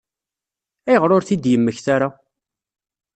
Ayɣer ur t-id-yemmekta ara?